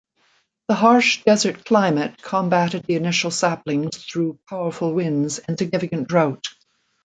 The harsh desert climate combated the initial saplings through powerful winds and significant drought.